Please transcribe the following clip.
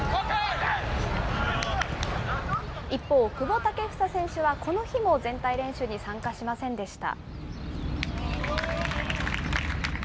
一方、久保建英選手はこの日も全体練習に参加しませんでした。